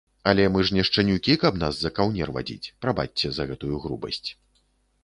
Але мы ж не шчанюкі, каб нас за каўнер вадзіць, прабачце, за гэтую грубасць.